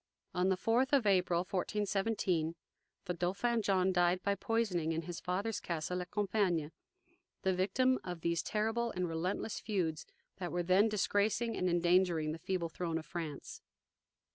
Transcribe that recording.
On the fourth of April, 1417, the Dauphin John died by poisoning, in his father's castle at Compiegne the victim of those terrible and relentless feuds that were then disgracing and endangering the feeble throne of France.